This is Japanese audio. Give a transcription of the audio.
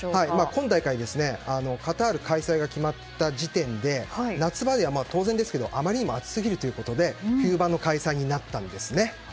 今大会、カタール開催が決まった時点で夏場では当然ですけどあまりにも暑すぎるということで冬場の開催になったんですね。